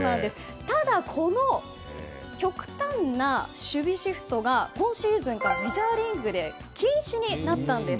ただ、この極端な守備シフトが今シーズンからメジャーリーグで禁止になったんです。